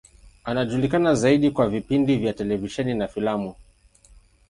Anajulikana zaidi kwa vipindi vya televisheni na filamu.